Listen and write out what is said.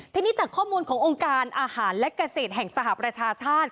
ทีนี้จากข้อมูลขององค์การอาหารและเกษตรแห่งสหประชาชาติ